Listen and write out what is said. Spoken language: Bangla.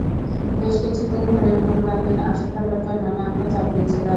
বেশ কিছুদিন ধরে রুহুল আমিন আসল টাকার জন্য নয়নকে চাপ দিচ্ছিলেন।